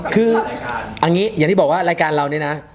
คืออย่างที่บอกว่ารายการเรานะ